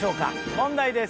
問題です。